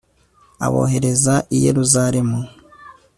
abohereza i yeruzalemu